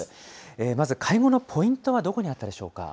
まず会合のポイントは、どこにあったでしょうか。